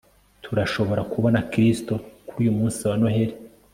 turashobora kubona kristo kuri uyu munsi wa noheri